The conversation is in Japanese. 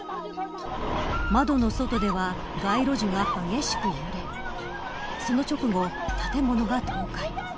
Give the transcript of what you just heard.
窓の外では街路樹が激しく揺れその直後、建物が倒壊。